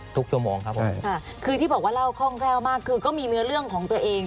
ชั่วโมงครับผมค่ะคือที่บอกว่าเล่าคล่องแคล่วมากคือก็มีเนื้อเรื่องของตัวเอง